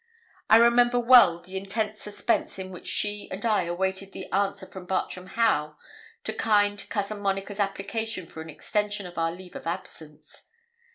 I remember well the intense suspense in which she and I awaited the answer from Bartram Haugh to kind Cousin Monica's application for an extension of our leave of absence.